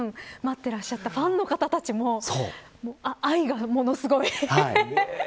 てらっしゃったファンの方たちも愛がものすごい。